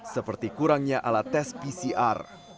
seperti kurangnya alat tes pcr